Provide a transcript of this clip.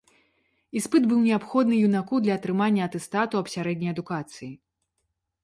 Іспыт быў неабходны юнаку для атрымання атэстату аб сярэдняй адукацыі.